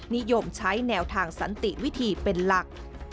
นิยมใช้แนวทางสันติวิธีเป็นหลัก